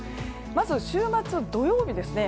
まず週末、土曜日ですね。